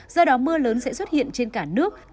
do đó mưa lớn sẽ xuất hiện trên cả nước